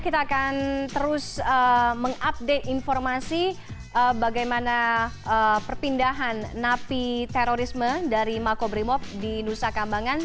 kita akan terus mengupdate informasi bagaimana perpindahan napi terorisme dari makobrimob di nusa kambangan